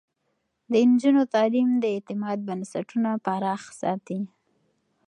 د نجونو تعليم د اعتماد بنسټونه پراخ ساتي.